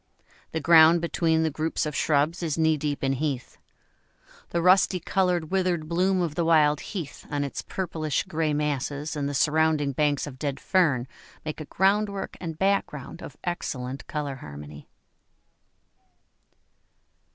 The ground between the groups of shrubs is knee deep in heath. The rusty coloured withered bloom of the wild heath on its purplish grey masses and the surrounding banks of dead fern make a groundwork and background of excellent colour harmony.